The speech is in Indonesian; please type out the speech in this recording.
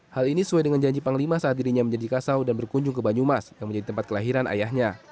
hal ini sesuai dengan janji panglima saat dirinya menjadi kasau dan berkunjung ke banyumas yang menjadi tempat kelahiran ayahnya